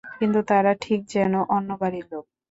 কিন্তু তারা ঠিক যেন অন্য বাড়ির লোক।